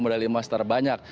modal emas terbanyak